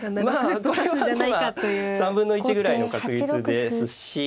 まあ３分の１ぐらいの確率ですし。